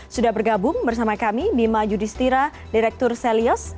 sudah bergabung bersama kami bima judistira direktur selios